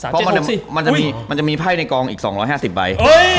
เพราะมันจะมีไพ่ในกองอีก๒๕๐ใบ